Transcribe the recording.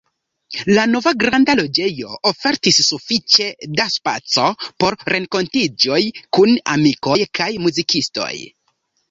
La nova granda loĝejo ofertis sufiĉe da spaco por renkontiĝoj kun amikoj kaj muzikistoj.